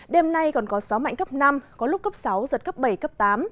đêm nay còn có gió mạnh cấp năm có lúc cấp sáu giật cấp bảy cấp tám